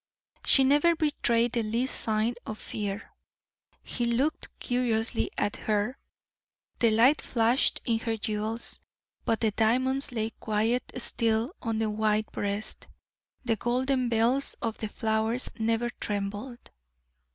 She never betrayed the least sign of fear. He looked curiously at her. The light flashed in her jewels, but the diamonds lay quite still on the white breast; the golden bells of the flowers never trembled.